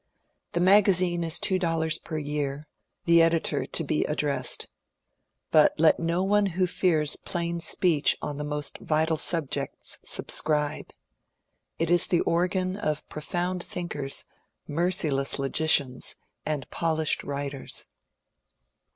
The magazine is two dollars per year, — the editor to be addressed. But let no one who fears plain speech on the most vital subjects subscribe. It is the organ of profound thinkers, merciless logicians, and polished writers.